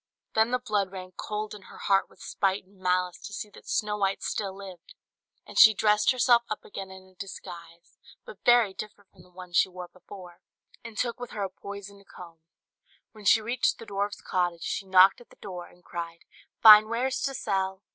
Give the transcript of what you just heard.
Then the blood ran cold in her heart with spite and malice to see that Snow White still lived; and she dressed herself up again in a disguise, but very different from the one she wore before, and took with her a poisoned comb, When she reached the dwarf's cottage, she knocked at the door, and cried, "Fine wares to sell!"